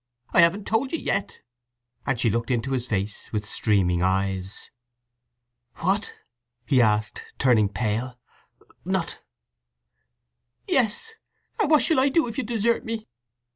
I haven't told you yet!" and she looked into his face with streaming eyes. "What?" he asked, turning pale. "Not…?" "Yes! And what shall I do if you desert me?"